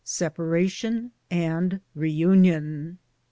8EPAEATI0N AND REUNION.